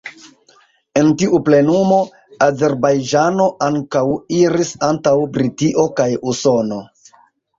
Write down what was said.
En tiu plenumo, Azerbajĝano ankaŭ iris antaŭ Britio kaj Usono.